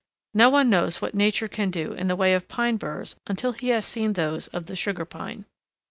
No one knows what Nature can do in the way of pine burs until he has seen those of the Sugar Pine.